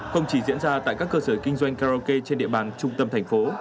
không chỉ diễn ra tại các cơ sở kinh doanh karaoke trên địa bàn trung tâm thành phố